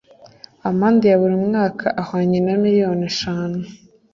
amande ya buri mwaka ahwanye na miliyoni eshanu